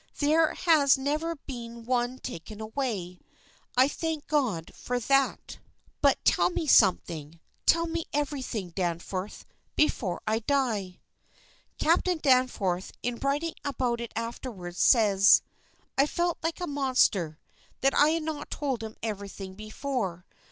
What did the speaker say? There has never been one taken away. I thank God for that. But tell me something tell me everything, Danforth, before I die!" Captain Danforth, in writing about it afterwards says: "I felt like a monster that I had not told him everything before.